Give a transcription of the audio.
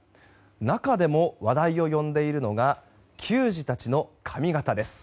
中でも話題を呼んでいるのが球児たちの髪形です。